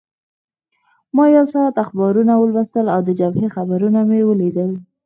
ما یو ساعت اخبارونه ولوستل او د جبهې خبرونه مې ولیدل.